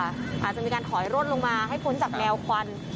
อาจจะมีการถอยร่นลงมาให้พ้นจากแนวควัน